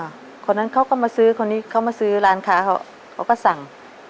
คนนั้นเขาก็มาซื้อคนนี้เขามาซื้อร้านค้าเขาเขาก็สั่ง